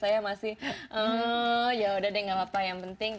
saya masih yaudah deh gak apa apa yang penting